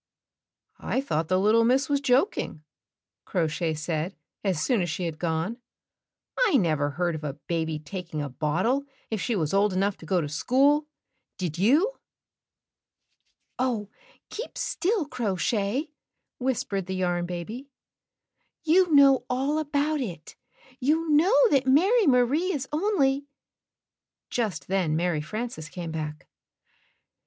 "I thought the Httle Miss was joking," Crow Shay said as soon as she had gone. "I never heard of a baby taking a bottle if she was old enough to go to school, did you? " ,vkit a story! To Knit a Stitch 161 "Oh, keep still, Crow Shay," whispered the Yarn Baby. ''You know all about it. You know that Mary Marie is only " Just then Mary Frances came back.